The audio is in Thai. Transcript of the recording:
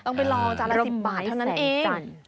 ต้องไปลองจานละ๑๐บาทเท่านั้นเองร้ำไม้แสงจันทร์